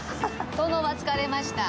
殿は疲れました。